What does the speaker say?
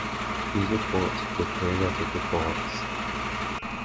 These reports are called periodic reports.